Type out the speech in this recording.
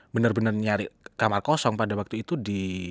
bener bener nyari kamar kosong pada waktu itu di